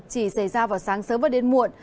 chỉ xảy ra vào sáng sớm và đến muộn